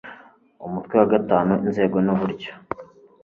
umutwe wa gatanu inzego n uburyo